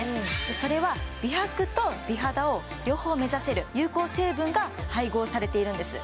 それは美白と美肌を両方目指せる有効成分が配合されているんです